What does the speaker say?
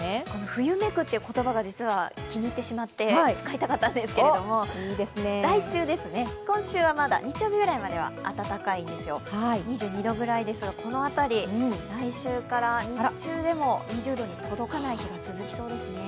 冬めくという言葉が実は気に入ってしまって使いたかったんですけれども来週ですね、今週はまだ日曜日くらいまでは暖かいんですよ、２２度ぐらいですがこの辺り、来週から日中でも２０度に届かない日、続きそうですね。